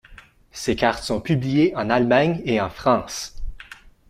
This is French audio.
Ses cartes sont publiées en Allemagne et en France.